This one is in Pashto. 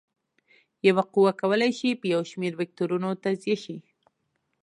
یوه قوه کولی شي په یو شمېر وکتورونو تجزیه شي.